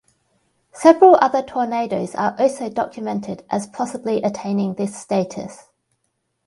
Several other tornadoes are also documented as possibly attaining this status.